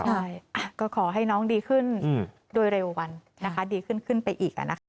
ใช่ก็ขอให้น้องดีขึ้นโดยเร็ววันนะคะดีขึ้นไปอีกนะคะ